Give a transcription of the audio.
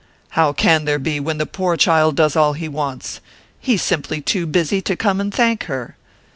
"How can there be, when the poor child does all he wants? He's simply too busy to come and thank her!"